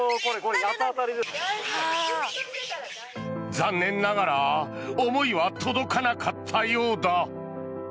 残念ながら思いは届かなかったようだ。